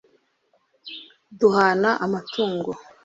duhana amatungo